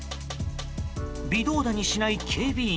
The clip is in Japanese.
微動だにしない警備員。